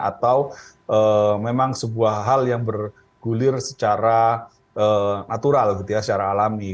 atau memang sebuah hal yang bergulir secara natural gitu ya secara alami